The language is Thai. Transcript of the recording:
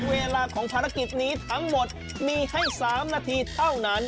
เวลาของภารกิจนี้ทั้งหมดมีให้๓นาทีเท่านั้น